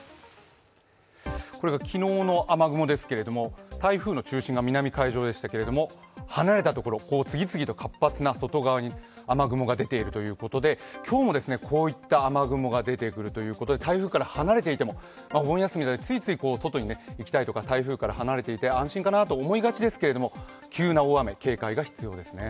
これが昨日の雨雲ですけれども、台風の中心が南海上でしたが、離れたところ、外側に次々と活発な雨雲が出ているということで今日もこういった雨雲が出てくるということで台風から離れていてもお盆休みなのでついつい外に行きたいとか台風から離れていて安心かなと思いがちですけれども、急な大雨、警戒が必要ですね。